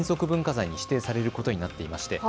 文化財に指定されることになっています。